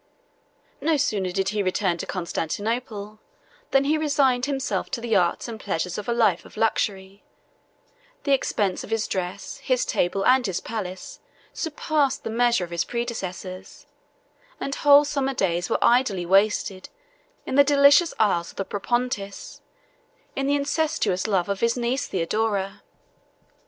No sooner did he return to Constantinople, than he resigned himself to the arts and pleasures of a life of luxury: the expense of his dress, his table, and his palace, surpassed the measure of his predecessors, and whole summer days were idly wasted in the delicious isles of the Propontis, in the incestuous love of his niece Theodora.